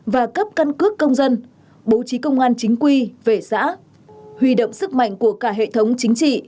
và cấp căn cước công dân bố trí công an chính quy về xã huy động sức mạnh của cả hệ thống chính trị